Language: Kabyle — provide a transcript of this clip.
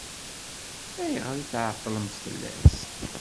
Ayɣer i tɛeṭṭlemt fell-as?